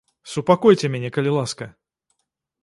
Супакойце мяне, калі ласка!